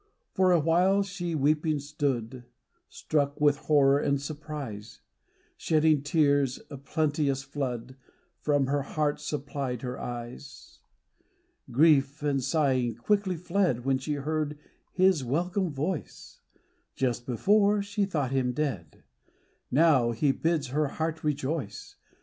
For a while she weeping stood, Struck with horror and surprise, Shedding tears, a plenteous flood, For her heart supplied her eyes. Grief and sighing quickly fled When she heard His welcome voice ; Just before she thought Him dead : Now He bids her heart rejoice.